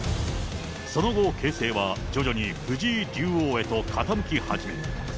その後、形勢は徐々に藤井竜王へと傾き始め。